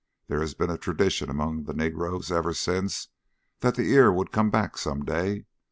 There has been a tradition among the negroes ever since that the ear would come back some day.